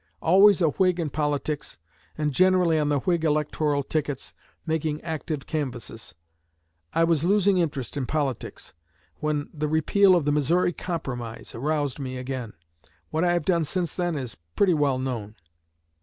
Always a Whig in politics, and generally on the Whig electoral tickets, making active canvasses. I was losing interest in politics, when the repeal of the Missouri Compromise aroused me again. What I have done since then is pretty well known.